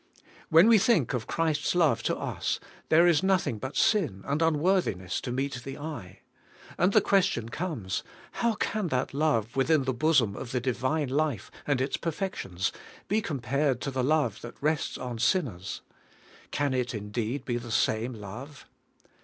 When we think of Christ's love to us, there is nothing but sin and unworthiness to meet the eye. And the question comes. How can that love within the bosom of the Divine life and its perfections be compared to the love that rests on sinners? Can it indeed be the same love?